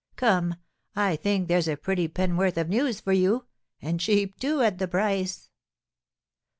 Come, I think there's a pretty penn'orth of news for you, and cheap, too, at the price!"